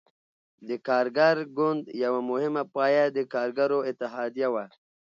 د کارګر ګوند یوه مهمه پایه د کارګرو اتحادیه وه.